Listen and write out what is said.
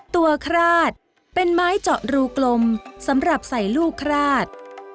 คราดเป็นไม้เจาะรูกลมสำหรับใส่ลูกคราด